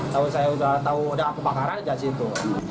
tau saya udah tahu udah aku bakaran aja situ